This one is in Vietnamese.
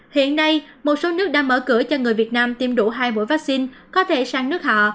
hiện nay một số nước đã mở cửa cho người việt nam tiêm đủ hai mũi vaccine có thể sang nước họ